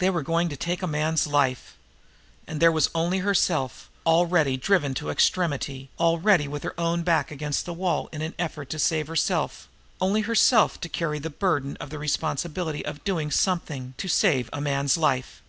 They were going to take a man's life. And there was only herself, already driven to extremity, already with her own back against the wall in an effort to save herself, only herself to carry the burden of the responsibility of doing something to save a man's life.